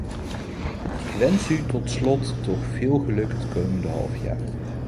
Ik wens u tot slot toch veel geluk het komende halfjaar.